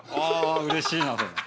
あうれしいな。